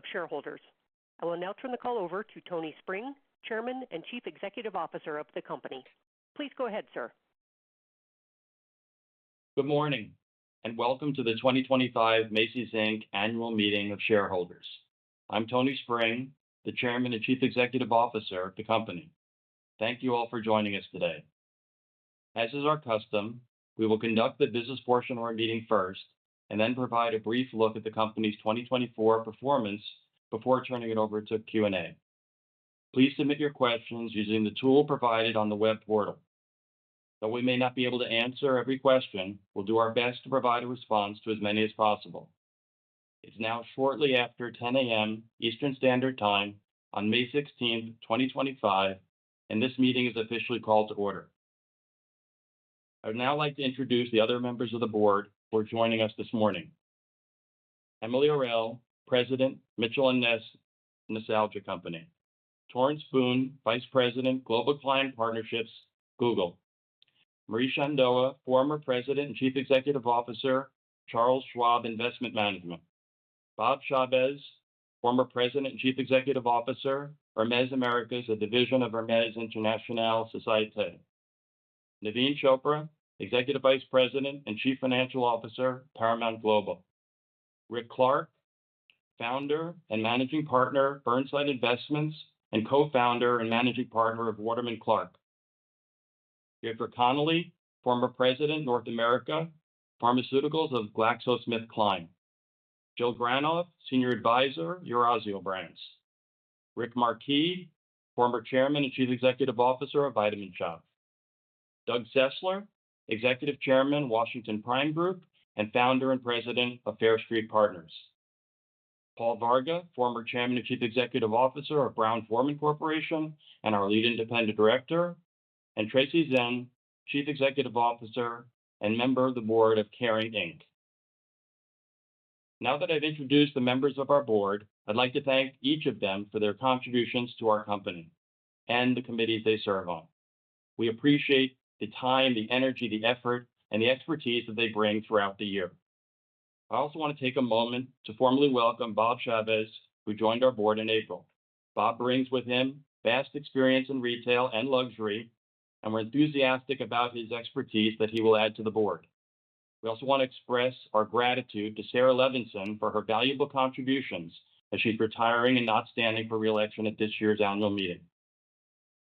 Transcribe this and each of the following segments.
Of shareholders. I will now turn the call over to Tony Spring, Chairman and Chief Executive Officer of the company. Please go ahead, sir. Good morning and welcome to the 2025 Macy's annual meeting of shareholders. I'm Tony Spring, the Chairman and Chief Executive Officer of the company. Thank you all for joining us today. As is our custom, we will conduct the business portion of our meeting first and then provide a brief look at the company's 2024 performance before turning it over to Q&A. Please submit your questions using the tool provided on the web portal. Though we may not be able to answer every question, we'll do our best to provide a response to as many as possible. It's now shortly after 10:00 A.M. Eastern Standard Time on May 16, 2025, and this meeting is officially called to order. I would now like to introduce the other members of the board who are joining us this morning: Emilrel, President, Mitchell & Ness Nostalgia Company; Torrence Boone, Vice President, Global Client Partnerships, Google; Marisha Ndoa, Former President and Chief Executive Officer, Charles Schwab Investment Management; Bob Chavez, Former President and Chief Executive Officer, Hermès Americas, a division of Hermès International; Naveen Chopra, Executive Vice President and Chief Financial Officer, Paramount Global; Ric Clark, Founder and Managing Partner, Burnside Investments, and Co-founder and Managing Partner of Waterman Clark; Jeffrey Connelly, Former President, North America Pharmaceuticals of GlaxoSmithKline; Jill Granoff, Senior Advisor, Eurazeo Brands; Rick Markee, Former Chairman and Chief Executive Officer of Vitamin Shoppe; Doug Sesler, Executive Chairman, Washington Prime Group and Founder and President of Fair Street Partners; Paul Varga, Former Chairman and Chief Executive Officer of Brown-Forman Corporation and our Lead Independent Director; and Tracy Zinn, Chief Executive Officer and Member of the Board of Caring Inc. Now that I've introduced the members of our board, I'd like to thank each of them for their contributions to our company and the committees they serve on. We appreciate the time, the energy, the effort, and the expertise that they bring throughout the year. I also want to take a moment to formally welcome Bob Chavez, who joined our board in April. Bob brings with him vast experience in retail and luxury, and we're enthusiastic about his expertise that he will add to the board. We also want to express our gratitude to Sara Levinson for her valuable contributions as she's retiring and not standing for reelection at this year's Annual Meeting.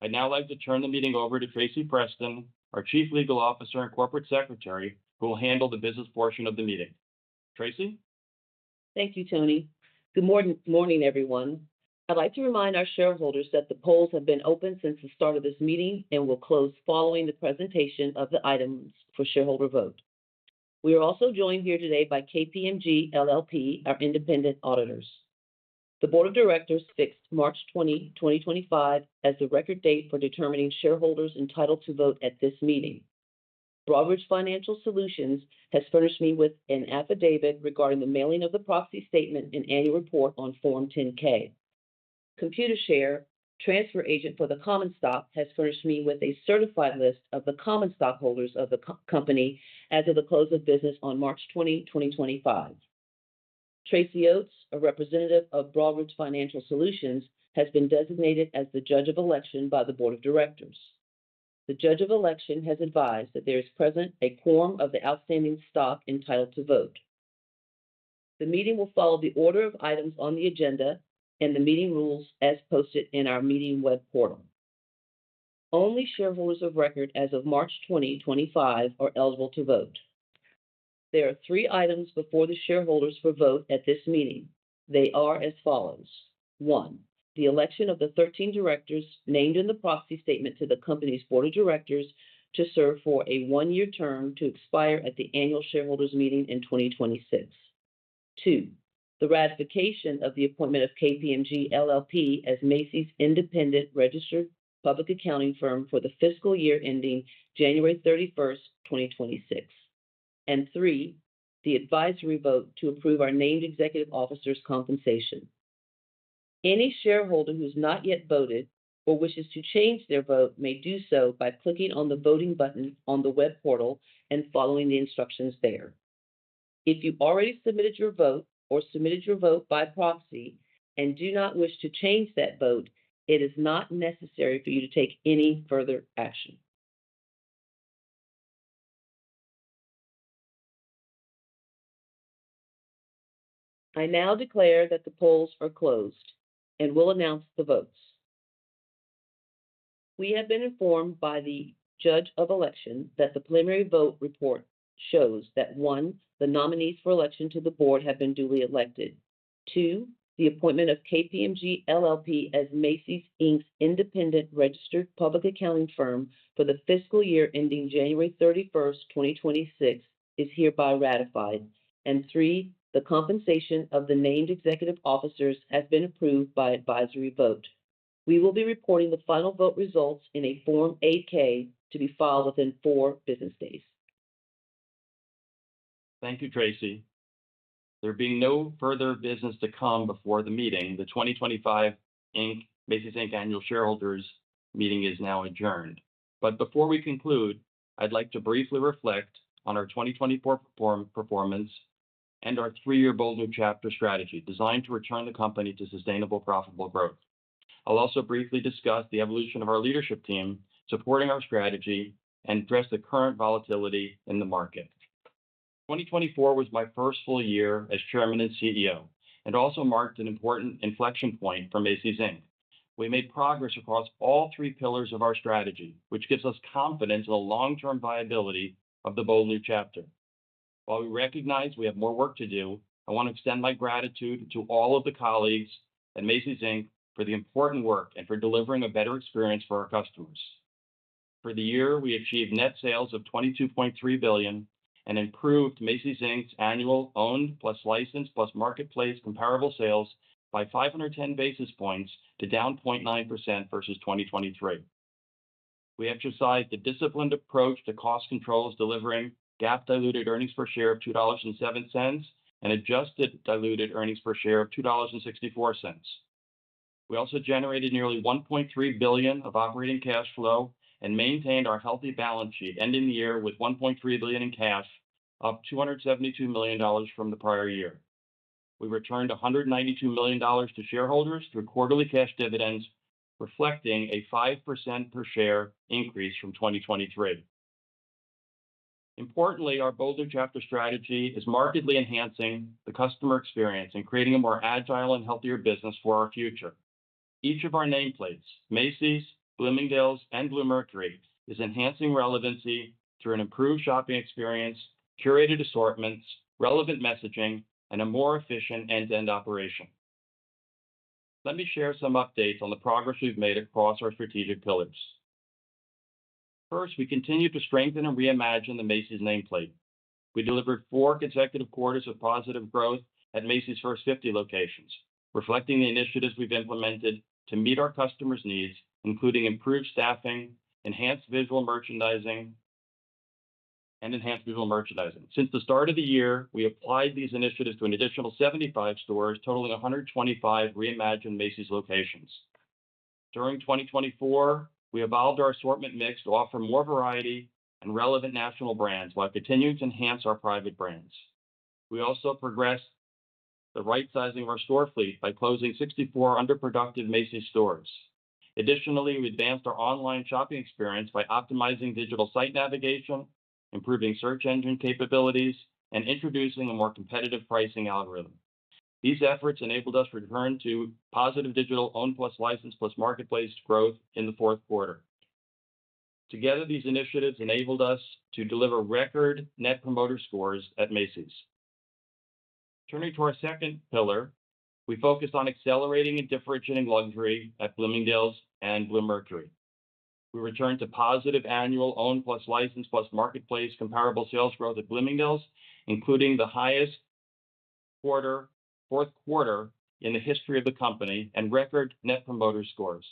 I'd now like to turn the meeting over to Tracy Preston, our Chief Legal Officer and Corporate Secretary, who will handle the business portion of the meeting. Tracy? Thank you, Tony. Good morning, everyone. I'd like to remind our shareholders that the polls have been open since the start of this meeting and will close following the presentation of the items for shareholder vote. We are also joined here today by KPMG LLP, our independent auditors. The Board of Directors fixed March 20, 2025, as the record date for determining shareholders entitled to vote at this meeting. Broadridge Financial Solutions has furnished me with an affidavit regarding the mailing of the proxy statement and annual report on Form 10-K. ComputerShare, transfer agent for the common stock, has furnished me with a certified list of the common stockholders of the company as of the close of business on March 20, 2025. Tracy Oats, a representative of Broadridge Financial Solutions, has been designated as the Judge of Election by the Board of Directors. The Judge of Election has advised that there is present a quorum of the outstanding stock entitled to vote. The meeting will follow the order of items on the agenda and the meeting rules as posted in our meeting web portal. Only shareholders of record as of March 2025 are eligible to vote. There are three items before the shareholders for vote at this meeting. They are as follows: One, the election of the 13 directors named in the proxy statement to the company's board of directors to serve for a one-year term to expire at the Annual Shareholders Meeting in 2026. Two, the ratification of the appointment of KPMG LLP as Macy's Independent Registered Public Accounting Firm for the fiscal year ending January 31st, 2026. Three, the advisory vote to approve our named executive officer's compensation. Any shareholder who has not yet voted or wishes to change their vote may do so by clicking on the voting button on the web portal and following the instructions there. If you already submitted your vote or submitted your vote by proxy and do not wish to change that vote, it is not necessary for you to take any further action. I now declare that the polls are closed and will announce the votes. We have been informed by the Judge of Election that the preliminary vote report shows that, one, the nominees for election to the board have been duly elected. Two, the appointment of KPMG LLP as Macy's Independent Registered Public Accounting Firm for the fiscal year ending January 31st, 2026, is hereby ratified. Three, the compensation of the named executive officers has been approved by advisory vote. We will be reporting the final vote results in a Form 8-K to be filed within four business days. Thank you, Tracy. There being no further business to come before the meeting, the 2025 Macy's Annual Shareholders Meeting is now adjourned. Before we conclude, I'd like to briefly reflect on our 2024 performance and our three-year Bold New Chapter strategy designed to return the company to sustainable, profitable growth. I'll also briefly discuss the evolution of our leadership team supporting our strategy and address the current volatility in the market. 2024 was my first full year as Chairman and CEO and also marked an important inflection point for Macy's Inc. We made progress across all three pillars of our strategy, which gives us confidence in the long-term viability of the Bold New Chapter. While we recognize we have more work to do, I want to extend my gratitude to all of the colleagues at Macy's for the important work and for delivering a better experience for our customers. For the year, we achieved net sales of $22.3 billion and improved Macy's annual owned plus licensed plus marketplace comparable sales by 510 basis points to down 0.9% versus 2023. We exercised a disciplined approach to cost controls, delivering GAAP-diluted earnings per share of $2.07 and adjusted diluted earnings per share of $2.64. We also generated nearly $1.3 billion of operating cash flow and maintained our healthy balance sheet, ending the year with $1.3 billion in cash, up $272 million from the prior year. We returned $192 million to shareholders through quarterly cash dividends, reflecting a 5% per share increase from 2023. Importantly, our Bold New Chapter strategy is markedly enhancing the customer experience and creating a more agile and healthier business for our future. Each of our nameplates, Macy's, Bloomingdale's, and Bluemercury, is enhancing relevancy through an improved shopping experience, curated assortments, relevant messaging, and a more efficient end-to-end operation. Let me share some updates on the progress we've made across our strategic pillars. First, we continue to strengthen and reimagine the Macy's nameplate. We delivered four consecutive quarters of positive growth at Macy's First 50 locations, reflecting the initiatives we've implemented to meet our customers' needs, including improved staffing, enhanced visual merchandising, and enhanced visual merchandising. Since the start of the year, we applied these initiatives to an additional 75 stores, totaling 125 reimagined Macy's locations. During 2024, we evolved our assortment mix to offer more variety and relevant national brands while continuing to enhance our private brands. We also progressed the right-sizing of our store fleet by closing 64 underproductive Macy's stores. Additionally, we advanced our online shopping experience by optimizing digital site navigation, improving search engine capabilities, and introducing a more competitive pricing algorithm. These efforts enabled us to return to positive digital owned plus licensed plus marketplace growth in the fourth quarter. Together, these initiatives enabled us to deliver record net promoter scores at Macy's. Turning to our second pillar, we focused on accelerating and differentiating luxury at Bloomingdale's and Bluemercury. We returned to positive annual owned plus licensed plus marketplace comparable sales growth at Bloomingdale's, including the highest fourth quarter in the history of the company and record net promoter scores.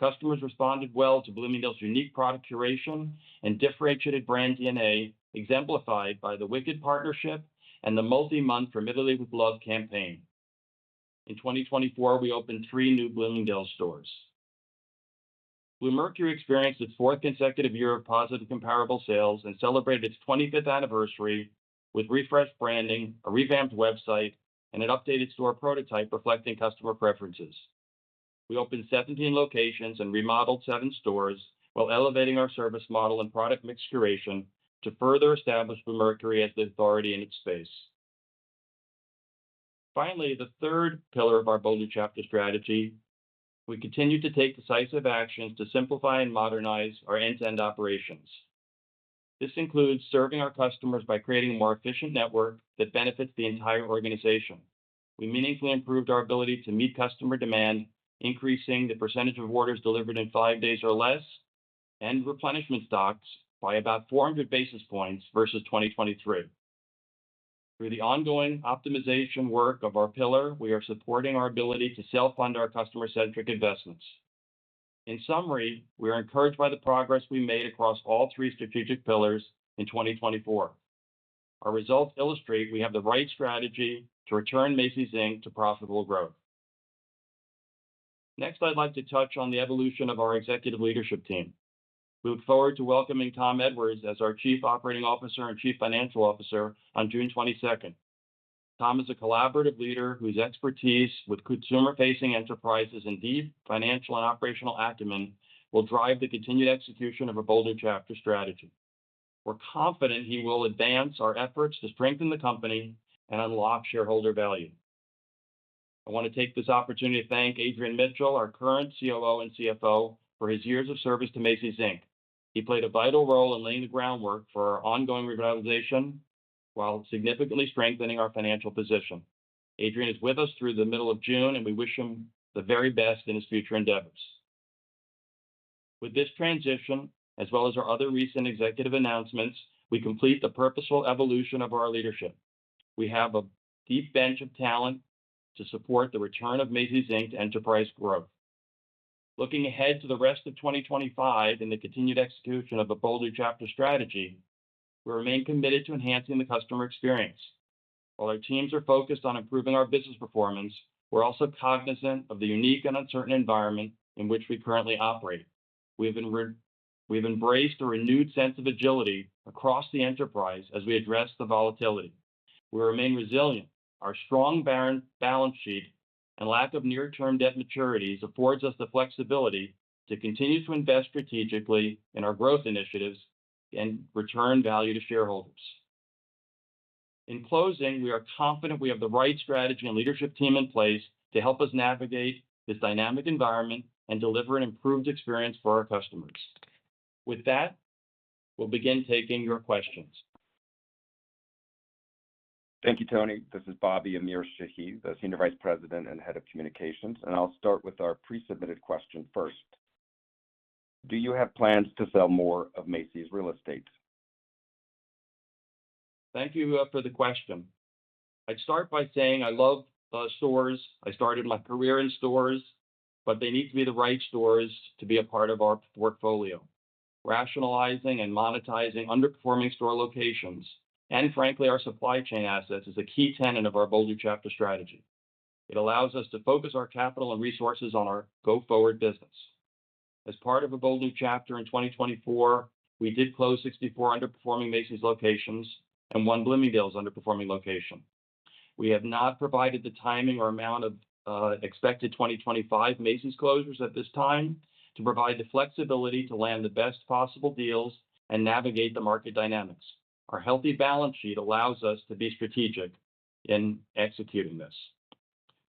Customers responded well to Bloomingdale's unique product curation and differentiated brand DNA, exemplified by the Wicked partnership and the multi-month Formidably with Love campaign. In 2024, we opened three new Bloomingdale's stores. Bluemercury experienced its fourth consecutive year of positive comparable sales and celebrated its 25th anniversary with refreshed branding, a revamped website, and an updated store prototype reflecting customer preferences. We opened 17 locations and remodeled seven stores while elevating our service model and product mix curation to further establish Bluemercury as the authority in its space. Finally, the third pillar of our Bolden Chapter strategy, we continued to take decisive actions to simplify and modernize our end-to-end operations. This includes serving our customers by creating a more efficient network that benefits the entire organization. We meaningfully improved our ability to meet customer demand, increasing the percentage of orders delivered in five days or less, and replenishment stocks by about 400 basis points versus 2023. Through the ongoing optimization work of our pillar, we are supporting our ability to self-fund our customer-centric investments. In summary, we are encouraged by the progress we made across all three strategic pillars in 2024. Our results illustrate we have the right strategy to return Macy's to profitable growth. Next, I'd like to touch on the evolution of our executive leadership team. We look forward to welcoming Tom Edwards as our Chief Operating Officer and Chief Financial Officer on June 22. Tom is a collaborative leader whose expertise with consumer-facing enterprises and deep financial and operational acumen will drive the continued execution of a Bolden Chapter strategy. We're confident he will advance our efforts to strengthen the company and unlock shareholder value. I want to take this opportunity to thank Adrian Mitchell, our current COO and CFO, for his years of service to Macy's Inc. He played a vital role in laying the groundwork for our ongoing revitalization while significantly strengthening our financial position. Adrian is with us through the middle of June, and we wish him the very best in his future endeavors. With this transition, as well as our other recent executive announcements, we complete the purposeful evolution of our leadership. We have a deep bench of talent to support the return of Macy's enterprise growth. Looking ahead to the rest of 2025 and the continued execution of the Bolden Chapter strategy, we remain committed to enhancing the customer experience. While our teams are focused on improving our business performance, we're also cognizant of the unique and uncertain environment in which we currently operate. We have embraced a renewed sense of agility across the enterprise as we address the volatility. We remain resilient. Our strong balance sheet and lack of near-term debt maturities afford us the flexibility to continue to invest strategically in our growth initiatives and return value to shareholders. In closing, we are confident we have the right strategy and leadership team in place to help us navigate this dynamic environment and deliver an improved experience for our customers. With that, we'll begin taking your questions. Thank you, Tony. This is Bobby Amirshahi, the Senior Vice President and Head of Communications. I'll start with our pre-submitted question first. Do you have plans to sell more of Macy's real estate? Thank you for the question. I'd start by saying I love stores. I started my career in stores, but they need to be the right stores to be a part of our portfolio. Rationalizing and monetizing underperforming store locations and, frankly, our supply chain assets is a key tenet of our Bold New Chapter strategy. It allows us to focus our capital and resources on our go-forward business. As part of a Bold New Chapter in 2024, we did close 64 underperforming Macy's locations and one Bloomingdale's underperforming location. We have not provided the timing or amount of expected 2025 Macy's closures at this time to provide the flexibility to land the best possible deals and navigate the market dynamics. Our healthy balance sheet allows us to be strategic in executing this.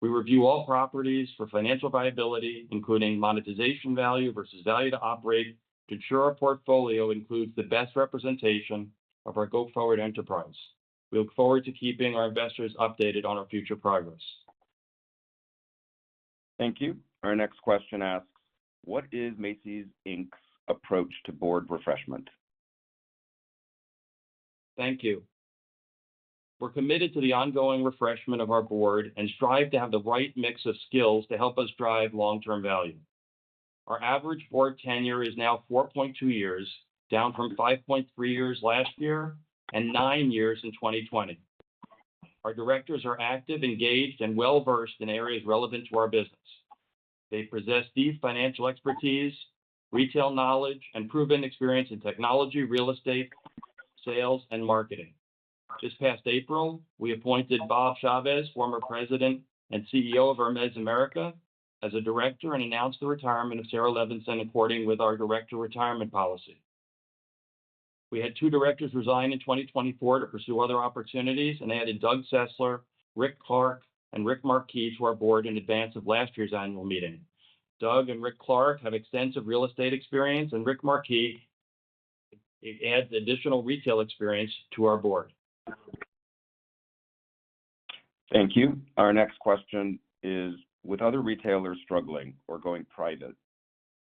We review all properties for financial viability, including monetization value versus value to operate, to ensure our portfolio includes the best representation of our go-forward enterprise. We look forward to keeping our investors updated on our future progress. Thank you. Our next question asks, what is Macy's Inc. approach to board refreshment? Thank you. We're committed to the ongoing refreshment of our board and strive to have the right mix of skills to help us drive long-term value. Our average board tenure is now 4.2 years, down from 5.3 years last year and 9 years in 2020. Our directors are active, engaged, and well-versed in areas relevant to our business. They possess deep financial expertise, retail knowledge, and proven experience in technology, real estate, sales, and marketing. This past April, we appointed Bob Chavez, former President and CEO of Hermès Americas, as a director and announced the retirement of Sara Levinson according with our director retirement policy. We had two directors resign in 2024 to pursue other opportunities, and added Doug Sesler, Ric Clark, and Rick Markee to our board in advance of last year's annual meeting. Doug Sesler and Ric Clark have extensive real estate experience, and Rick Markee adds additional retail experience to our board. Thank you. Our next question is, with other retailers struggling or going private,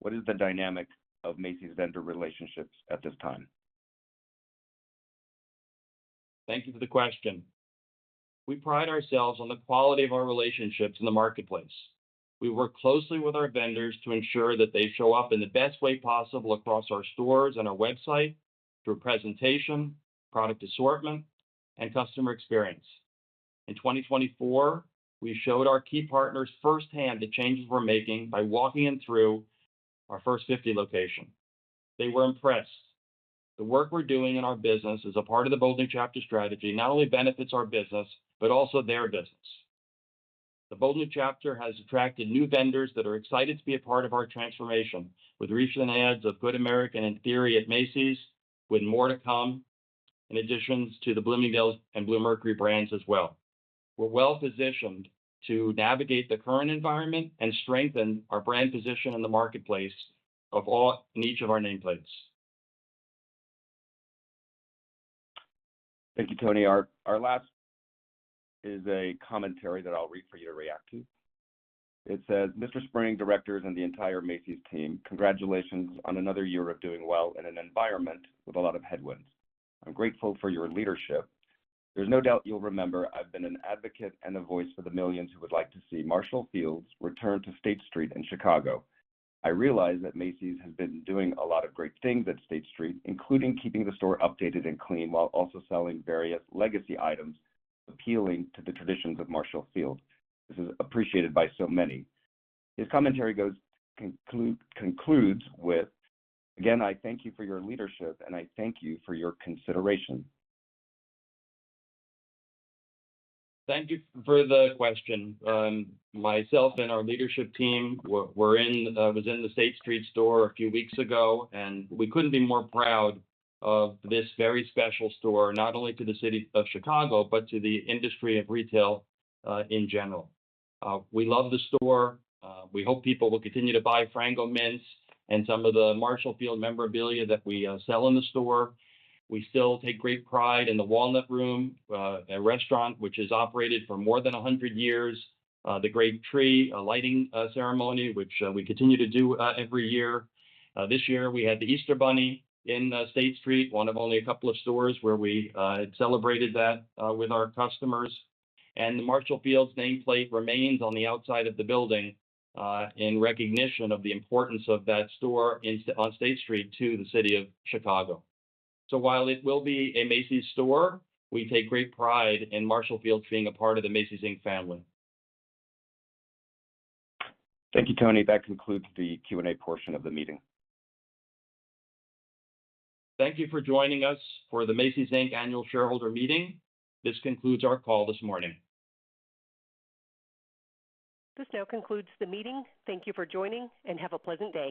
what is the dynamic of Macy's vendor relationships at this time? Thank you for the question. We pride ourselves on the quality of our relationships in the marketplace. We work closely with our vendors to ensure that they show up in the best way possible across our stores and our website through presentation, product assortment, and customer experience. In 2024, we showed our key partners firsthand the changes we're making by walking them through our First 50 location. They were impressed. The work we're doing in our business as a part of the Bold New Chapter strategy not only benefits our business, but also their business. The Bold New Chapter has attracted new vendors that are excited to be a part of our transformation with recent adds of Good American and Theory at Macy's, with more to come in additions to the Bloomingdale's and Bluemercury brands as well. We're well-positioned to navigate the current environment and strengthen our brand position in the marketplace of each of our nameplates. Thank you, Tony. Our last is a commentary that I'll read for you to react to. It says, "Mr. Spring, directors, and the entire Macy's team, congratulations on another year of doing well in an environment with a lot of headwinds. I'm grateful for your leadership. There's no doubt you'll remember I've been an advocate and a voice for the millions who would like to see Marshall Field's return to State Street in Chicago. I realize that Macy's has been doing a lot of great things at State Street, including keeping the store updated and clean while also selling various legacy items appealing to the traditions of Marshall Field's. This is appreciated by so many." His commentary concludes with, "Again, I thank you for your leadership, and I thank you for your consideration. Thank you for the question. Myself and our leadership team, we were in the State Street store a few weeks ago, and we could not be more proud of this very special store, not only to the city of Chicago, but to the industry of retail in general. We love the store. We hope people will continue to buy Frango Mints and some of the Marshall Field memorabilia that we sell in the store. We still take great pride in the Walnut Room, a restaurant which has operated for more than 100 years, the Great Tree lighting ceremony, which we continue to do every year. This year, we had the Easter Bunny in State Street, one of only a couple of stores where we celebrated that with our customers. The Marshall Field's nameplate remains on the outside of the building in recognition of the importance of that store on State Street to the city of Chicago. While it will be a Macy's store, we take great pride in Marshall Field's being a part of the Macy's Inc. family. Thank you, Tony. That concludes the Q&A portion of the meeting. Thank you for joining us for the Macy's Inc. Annual Shareholder Meeting. This concludes our call this morning. This now concludes the meeting. Thank you for joining, and have a pleasant day.